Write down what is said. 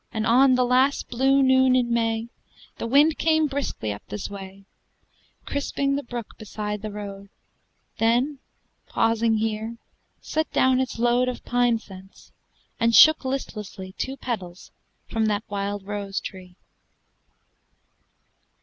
And on the last blue noon in May The wind came briskly up this way, Crisping the brook beside the road; Then, pausing here, set down its load Of pine scents, and shook listlessly Two petals from that wild rose tree.